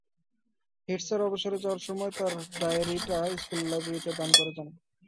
Head sir অবসরে যাওয়ার সময় তাঁর ডায়েরিটা স্কুলের লাইব্রেরিতে দান করে যান।